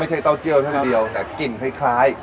ไม่ใช่เต้าเจียวเฉพาะเดียวแต่กลิ่นคล้าย